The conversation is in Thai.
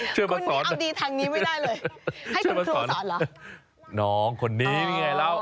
คุณเอาดีทางนี้ไม่ได้เลยให้คุณครูสอนเหรอน้องคนนี้นี่ไงแล้ว